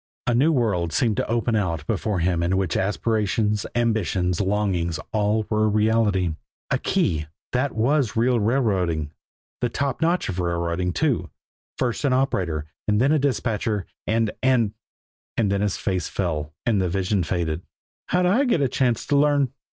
A new world seemed to open out before him in which aspirations, ambitions, longings all were a reality. A key! That was real railroading, the top notch of railroading, too. First an operator, and then a dispatcher, and and and then his face fell, and the vision faded. "How'd I get a chance to learn?"